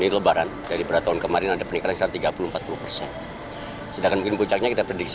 ini lebaran dari pada tahun kemarin ada peningkatan tiga puluh empat puluh persen sedangkan puncaknya kita prediksi